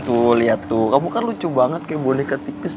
tuh liat tuh kamu kan lucu banget kayak boneka tikus